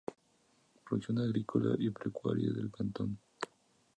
Producción Agrícola y Pecuaria del Cantón.